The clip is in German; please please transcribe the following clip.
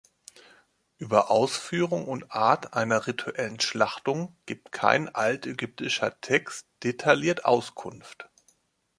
Über Ausführung und Art einer rituellen Schlachtung gibt kein altägyptischer Text detailliert Auskunft.